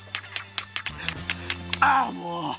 ああもう！